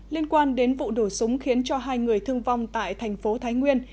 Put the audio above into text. liên quan đến vụ đổ súng khiến cho hai người thương vong tại thành phố thái nguyên